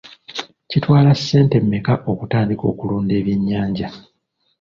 Kitwala ssente mmeka okutandika okulunda ebyennyanja?